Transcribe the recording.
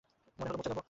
মনে হল মূর্ছা যাব।